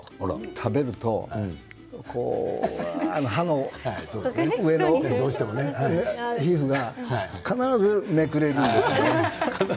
食べると歯の上の皮膚がね必ずめくれるんですよね。